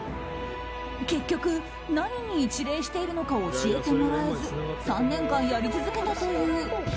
結局、何に一礼しているのか教えてもらえず３年間やり続けたという。